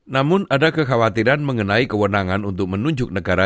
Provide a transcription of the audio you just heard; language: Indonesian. namun ada kekhawatiran mengenai kewenangan untuk menunjuk negara